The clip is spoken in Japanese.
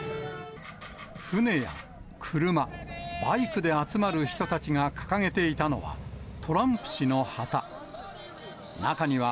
船や車、バイクで集まる人たちが掲げていたのは、トランプ氏の旗。